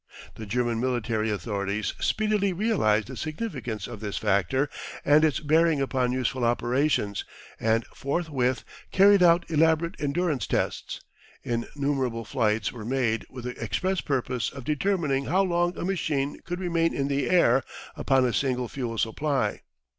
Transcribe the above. The German military authorities speedily realised the significance of this factor and its bearing upon useful operations, and forth with carried out elaborate endurance tests. In numerable flights were made with the express purpose of determining how long a machine could remain in the air upon a single fuel supply.